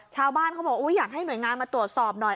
ชาวบ้านเขาบอกอยากให้หน่วยงานมาตรวจสอบหน่อย